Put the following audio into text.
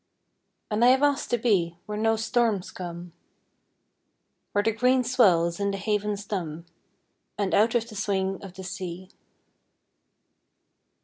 And I have asked to be Where no storms come, Where the green swell is in the havens dumb, And out of the swing of the sea.